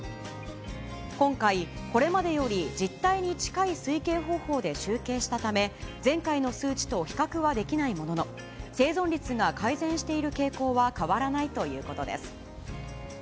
今回、これまでより実態に近い推計方法で集計したため、前回の数値と比較はできないものの、生存率が改善している傾向は変わらないということです。